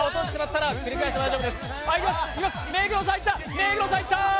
目黒さん、いった。